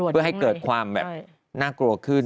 เพื่อให้เกิดความแบบน่ากลัวขึ้น